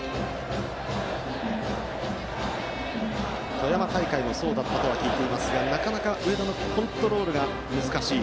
富山大会もそうだったとは聞いていますがなかなか上田のコントロールが難しい。